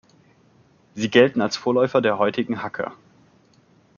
Sie gelten als Vorläufer der heutigen Hacker.